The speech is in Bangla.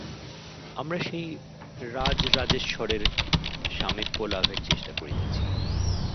আমরা সেই রাজরাজেশ্বরের সামীপ্যলাভের চেষ্টা করিতেছি।